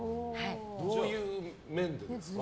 どういう面でですか？